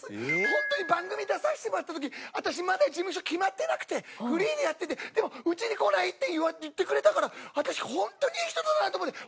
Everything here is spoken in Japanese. ホントに番組に出させてもらった時私まだ事務所決まってなくてフリーでやっててでも「うちに来ない？」って言ってくれたから私ホントにいい人だなと思って。